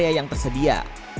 di area yang tersedia